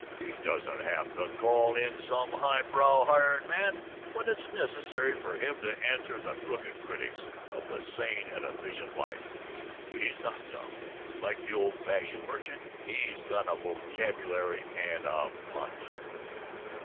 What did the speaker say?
He doesn't have to call in some highbrow hired man when it's necessary for him to answer the crooked critics of the sane and efficient life. He's not dumb, like the old fashioned merchant. He's got a vocabulary and a punch.